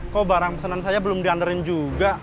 kok barang pesanan saya belum diantarin juga